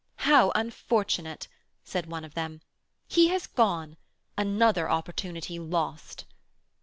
"How unfortunate!" said one of them; "he has gone, another opportunity lost."